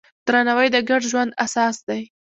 درناوی د ګډ ژوند اساس دی.